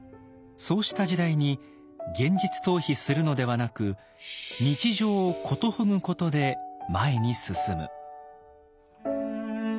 そうした時代に現実逃避するのではなく「日常を言祝ぐ」ことで前に進む。